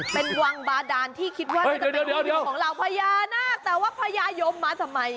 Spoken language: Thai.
เป็นวังบาดาลที่คิดว่าจะเป็นอุณหภ์ของเราพญานาคแต่ว่าพญายมมาทำไม